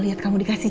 lihat kamu dikasih